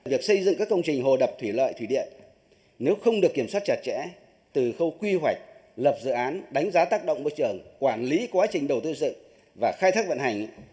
việc xây dựng các công trình hồ đập thủy lợi thủy điện nếu không được kiểm soát chặt chẽ từ khâu quy hoạch lập dự án đánh giá tác động môi trường quản lý quá trình đầu tư dựng và khai thác vận hành